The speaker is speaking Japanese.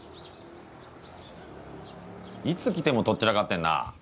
いつ来てもとっ散らかってんなぁ。